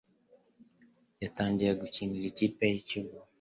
yatangiye gukinira ikipe y'ikigo.